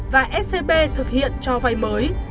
và scb thực hiện cho vay mới